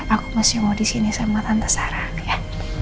aku mesti mau disini sama tante sarah ya